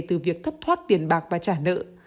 từ việc thất thoát tiền bạc và trả nợ